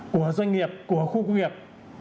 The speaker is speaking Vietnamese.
của doanh nghiệp của khu công nghiệp